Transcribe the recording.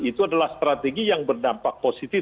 itu adalah strategi yang berdampak positif